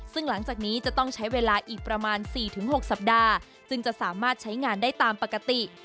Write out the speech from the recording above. ซึ่งหลังจากนี้จะต้องใช้เวลาอีกประมาณ๔๖สัปดาห์จึงจะสามารถใช้งานได้ตามปกติ